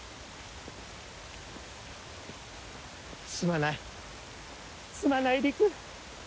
すまないすまない理玖！